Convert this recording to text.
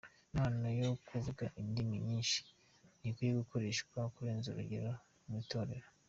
Impano yo kuvuga indimi nyinshi ntikwiye gukoreshwa kurenza urugero mu Itorero.